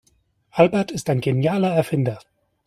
Albert ist ein genialer Erfinder.